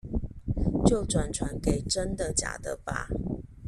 就轉傳給真的假的吧